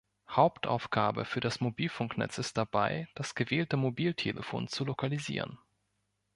Hauptaufgabe für das Mobilfunknetz ist dabei, das gewählte Mobiltelefon zu lokalisieren.